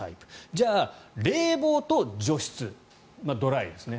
じゃあ、冷房と除湿、ドライですね。